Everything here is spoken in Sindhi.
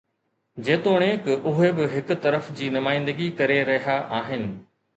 جيتوڻيڪ اهي به هڪ طرف جي نمائندگي ڪري رهيا آهن.